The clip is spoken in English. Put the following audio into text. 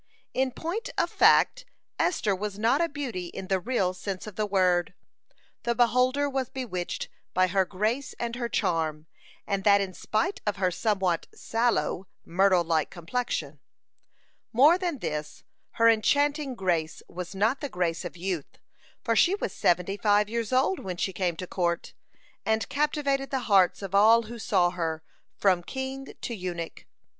In point of fact, Esther was not a beauty in the real sense of the word. The beholder was bewitched by her grace and her charm, and that in spite of her somewhat sallow, myrtle like complexion. (67) More than this, her enchanting grace was not the grace of youth, for she was seventy five years old when she came to court, and captivated the hearts of all who saw her, from king to eunuch.